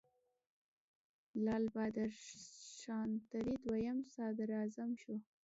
لال بهادر شاستري دویم صدراعظم شو.